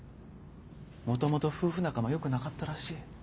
もともと夫婦仲もよくなかったらしい。